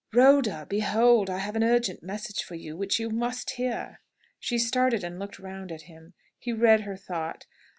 Rhoda, behold, I have an urgent message for you, which you must hear!" She started and looked round at him. He read her thought.